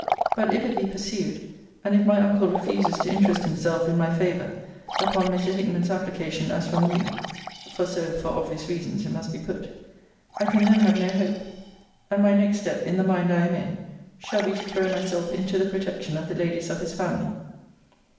But if it be pursued, and if my uncle refuses to interest himself in my favour upon Mr. Hickman's application as from you, (for so, for obvious reasons, it must be put,) I can then have no hope; and my next step, in the mind I am in, shall be to throw myself into the protection of the ladies of his family.